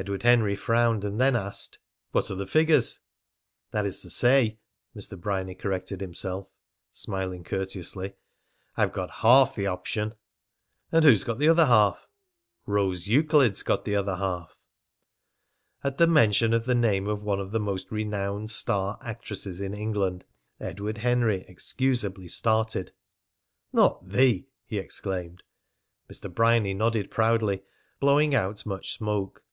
Edward Henry frowned, and then asked: "What are the figures?" "That is to say," Mr. Bryany corrected himself, smiling courteously, "I've got half the option." "And who's got the other half?" "Rose Euclid's got the other half." At the mention of the name of one of the most renowned star actresses in England, Edward Henry excusably started. "Not the ?" he exclaimed. Mr. Bryany nodded proudly, blowing out much smoke.